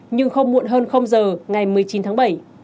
nhưng không muộn hơn giờ ngày một mươi chín tháng bảy